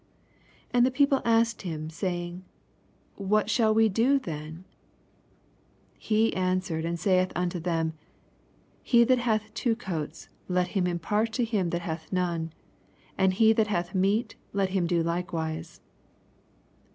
10 And the people asked him, say ing, What shall we do then ? 11 He anfiwereth and saith unto them. He that hath two ooats. Jet him impart to him that hath none ; and h« that hath meat, let him do likewise.